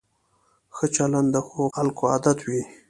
ښه چلند د ښو خلکو عادت وي.